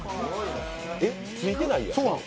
えっ、ついてないやん。